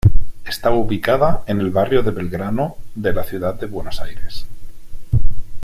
Está ubicada en el barrio de Belgrano de la ciudad de Buenos Aires.